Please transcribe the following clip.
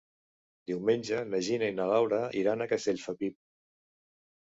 Diumenge na Gina i na Laura iran a Castellfabib.